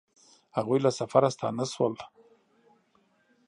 هغوی له سفره ستانه شول